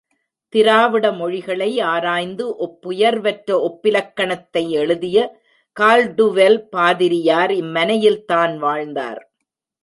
திராவிட மொழிகளை ஆராய்ந்து, ஒப்புயர்வற்ற ஒப்பிலக்கணத்தை எழுதிய கால்டுவெல் பாதிரியார் இம் மனையில் தான் வாழ்ந்தார்.